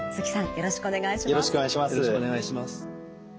よろしくお願いします。